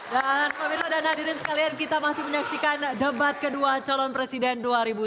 dan pemerintah dan hadirin sekalian kita masih menyaksikan debat kedua calon presiden dua ribu sembilan belas